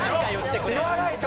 言わないと！